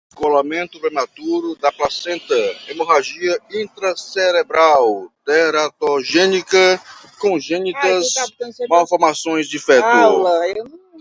descolamento prematuro da placenta, hemorragia intracerebral, teratogênica, congênitas, malformações do feto